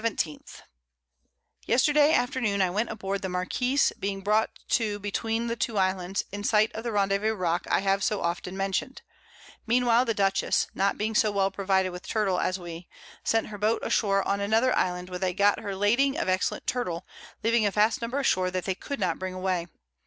_ Yesterday Afternoon I went a board the Marquiss, being brought too between the two Islands, in sight of the rendezvous Rock I have so often mention'd: Mean while the Dutchess (not being so well provided with Turtle as we) sent her Boat a shore on another Island, where they got her Lading of excellent Turtle, leaving a vast Number a shore that they could not bring away.